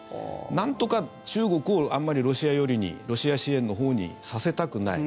なんとか、中国をあまりロシア寄りにロシア支援のほうにさせたくない。